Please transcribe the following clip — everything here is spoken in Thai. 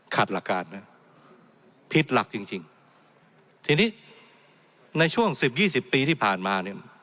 ขาดหลักการนะผิดหลักจริงทีนี้ในช่วง๑๐๒๐ปีที่ผ่านมา